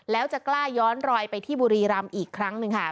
แล้วจะกล้าย้อนรอยไปที่บุรีรำอีกครั้งหนึ่งค่ะ